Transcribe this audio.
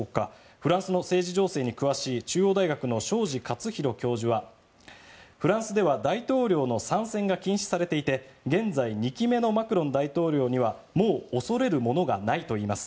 フランスの政治情勢に詳しい中央大学の庄司克宏教授はフランスでは大統領の３選が禁止されていて現在２期目のマクロン大統領にはもう恐れるものがないといいます。